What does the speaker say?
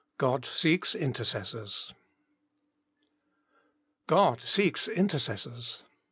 God seeks intercessors. God seeks intercessors.